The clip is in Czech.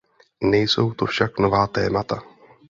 Nejsou to však nová témata.